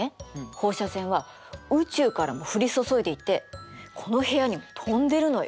放射線は宇宙からも降り注いでいてこの部屋にも飛んでるのよ。